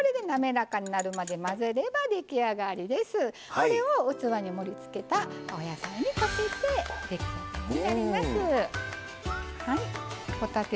これを器に盛りつけたお野菜にかけて出来上がりになります。